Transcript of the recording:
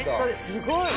すごい。